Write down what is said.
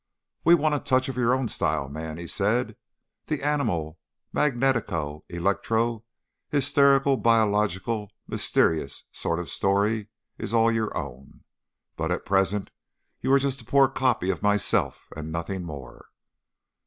"We want a touch of your own style, man," he said. "The animal magnetico electro hysterical biological mysterious sort of story is all your own, but at present you are just a poor copy of myself, and nothing more."